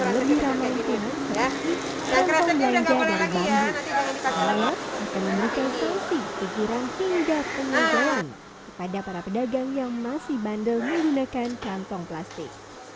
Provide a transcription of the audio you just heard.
selama ini pengelola akan memberikan sosi kegirangan hingga pengelolaan kepada para pedagang yang masih bandel menggunakan kantong plastik